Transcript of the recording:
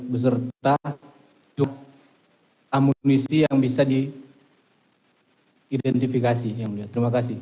beserta amunisi yang bisa diidentifikasi yang mulia terima kasih